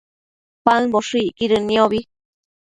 paëmboshëcquidën niobi